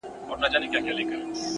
• جانان ارمان د هره یو انسان دی والله؛